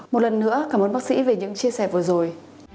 một lần nữa cảm ơn bác sĩ về những chia sẻ vừa rồi